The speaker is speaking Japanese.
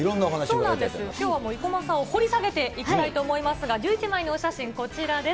そうなんですよ、きょうは生駒さんを掘り下げていきたいと思いますが、１１枚のお写真、こちらです。